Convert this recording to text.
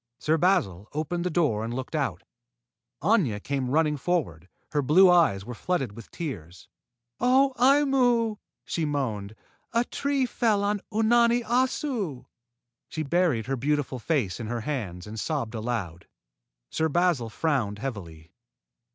Sir Basil opened the door and looked out. Aña came running forward. Her blue eyes were flooded with tears. "Oh, Aimu!" she moaned. "A tree fell on Unani Assu." She buried her beautiful face in her hands and sobbed aloud. Sir Basil frowned heavily.